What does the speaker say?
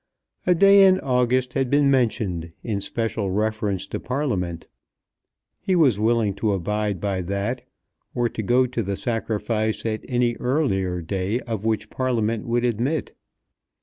A day in August had been mentioned in special reference to Parliament. He was willing to abide by that, or to go to the sacrifice at any earlier day of which Parliament would admit.